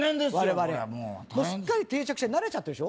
我々すっかり定着して慣れちゃってるでしょ？